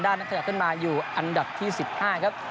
แต่ก็โอกาสอีกครั้งหนึ่งนะครับ